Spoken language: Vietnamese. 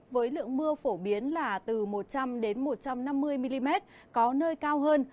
với lượng mưa phổ biến là từ một trăm linh một trăm năm mươi mm có nơi cao hơn